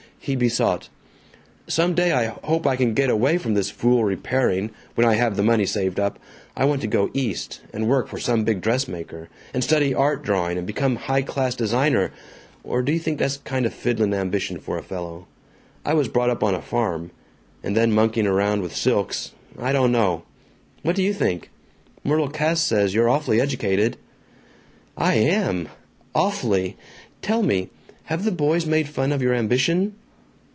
He besought: "Some day I hope I can get away from this fool repairing, when I have the money saved up. I want to go East and work for some big dressmaker, and study art drawing, and become a high class designer. Or do you think that's a kind of fiddlin' ambition for a fellow? I was brought up on a farm. And then monkeyin' round with silks! I don't know. What do you think? Myrtle Cass says you're awfully educated." "I am. Awfully. Tell me: Have the boys made fun of your ambition?"